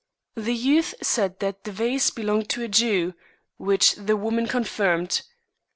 The youth said that the vase belonged to a Jew; which the woman confirmed.